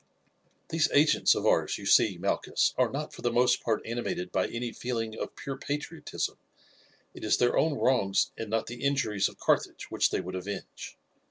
"These agents of ours, you see, Malchus, are not for the most part animated by any feeling of pure patriotism, it is their own wrongs and not the injuries of Carthage which they would avenge.